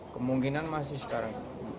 kemungkinan masih sekarang